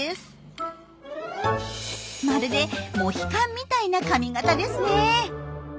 まるでモヒカンみたいな髪形ですね！